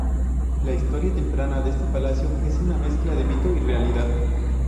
La historia temprana de este palacio es una mezcla de mito y realidad.